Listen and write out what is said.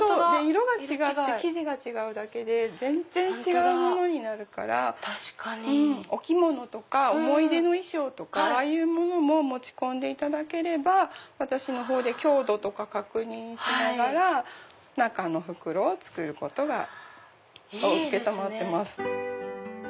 色が違って生地が違うだけで全然違うものになるからお着物とか思い出の衣装とか持ち込んでいただければ私の方で強度とか確認しながら中の袋作ることを承ってます。